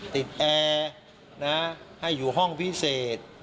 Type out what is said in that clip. แอร์ให้อยู่ห้องพิเศษ